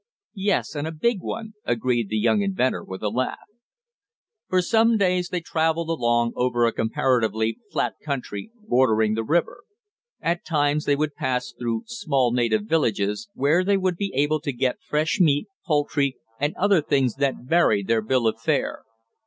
"Yes, and a big one," agreed the young inventor with a laugh. For some days they traveled along over a comparatively flat country, bordering the river. At times they would pass through small native villages, where they would be able to get fresh meat, poultry and other things that varied their bill of fare.